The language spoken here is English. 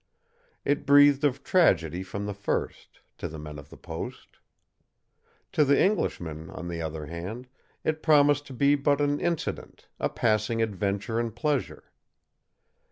It breathed of tragedy from the first, to the men of the post. To the Englishman, on the other hand, it promised to be but an incident a passing adventure in pleasure.